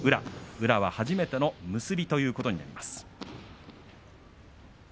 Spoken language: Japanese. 宇良は初めての結びの取組ということになります。